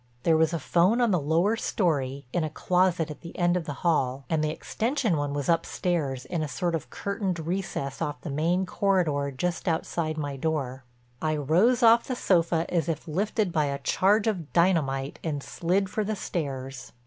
There was a 'phone in the lower story—in a closet at the end of the hall—and the extension one was upstairs in a sort of curtained recess off the main corridor just outside my door. I rose off the sofa as if lifted by a charge of dynamite and slid for the stairs.